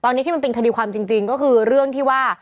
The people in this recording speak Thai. ตอนนี้ที่มันเป็นคดีความจริงก็คือเรื่องที่ว่า